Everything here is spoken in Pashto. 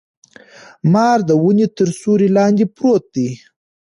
مار د ونې تر سیوري لاندي پروت دی.